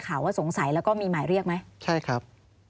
ข่าวว่าสงสัยแล้วก็มีหมายเรียกไหมใช่ครับ